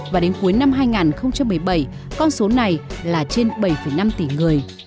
và đến cuối năm hai nghìn một mươi bảy con số này là trên bảy năm tỷ người